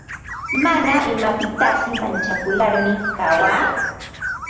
Mana imapitasi manchakularmi kawaa.